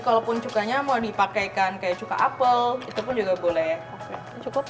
kalaupun cukanya mau dipakaikan kayak cuka apel itu pun juga boleh cukup